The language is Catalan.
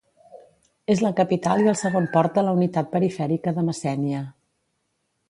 És la capital i el segon port de la unitat perifèrica de Messènia.